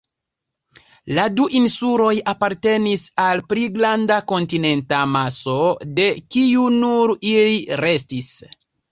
La du insuloj apartenis al pli granda kontinenta maso, de kiu nur ili restis.